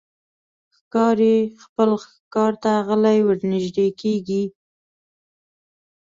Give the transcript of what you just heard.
ښکاري خپل ښکار ته غلی ورنژدې کېږي.